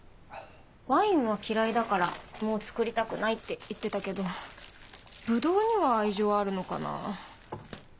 「ワインは嫌いだからもう造りたくない」って言ってたけどブドウには愛情あるのかな？